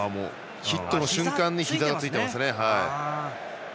ヒットの瞬間にひざがついていますね。